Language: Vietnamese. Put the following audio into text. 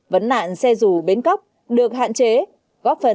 vấn nạn xe dù bến cóc được hạn chế